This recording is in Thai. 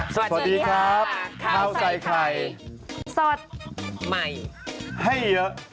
สวัสดีครับข้าวใส่ไข่สดใหม่ให้เยอะ